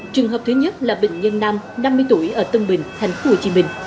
trường hợp thứ nhất là bệnh nhân nam năm mươi tuổi ở tân bình tp hcm